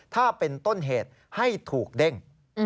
ถ้าเป็นต้นเหตุให้ถูกเด้ง